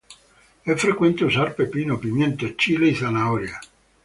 Es frecuente usar pepino, pimiento chile y zanahoria.